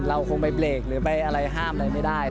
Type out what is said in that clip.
เราคงไปเบรกหรือไปอะไรห้ามอะไรไม่ได้